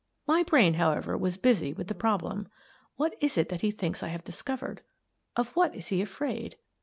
My brain, however, was busy with the problem :" What is it that he thinks I have discovered? Of what is he afraid